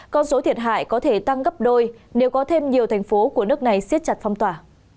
con số thiệt hại có thể tăng gấp đôi nếu có thêm nhiều thành phố của nước này siết chặt phong tỏa